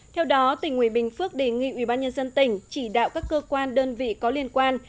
theo đó tỉnh nguy bình phước đề nghị ubnd tỉnh chỉ đạo các cơ quan đơn vị có liên quan